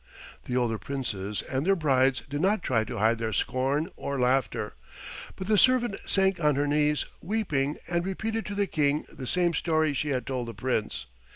The older Princes and their brides did not try to hide their scorn or laughter, but the servant sank on her knees, weeping, and repeated to the king the same story she had told the Prince.